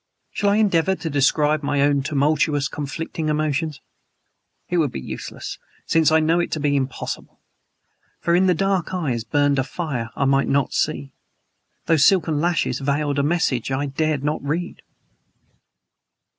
Shall I endeavor to describe my own tumultuous, conflicting emotions? It would be useless, since I know it to be impossible. For in those dark eyes burned a fire I might not see; those silken lashes veiled a message I dared not read.